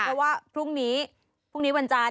เพราะว่าพรุ่งนี้พรุ่งนี้วันจาน